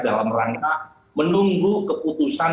dalam rangka menunggu keputusan